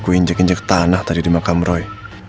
gue injek injek tanah tadi di makam roy